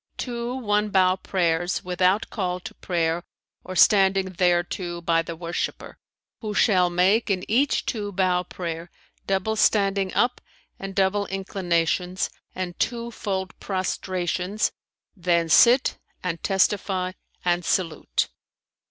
"Two one bow prayers without call to prayer or standing thereto by the worshipper, who shall make in each two bow prayer double standing up and double inclinations and two fold prostrations, then sit and testify and salute."